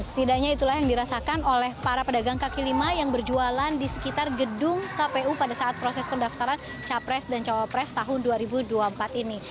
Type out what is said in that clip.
setidaknya itulah yang dirasakan oleh para pedagang kaki lima yang berjualan di sekitar gedung kpu pada saat proses pendaftaran capres dan cawapres tahun dua ribu dua puluh empat ini